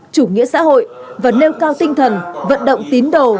chủ nghĩa xã hội và nêu cao tinh thần vận động tín đồ